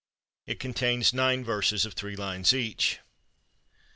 It contains nine verses of three lines each.